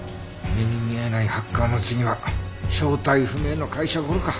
目に見えないハッカーの次は正体不明の会社ゴロか。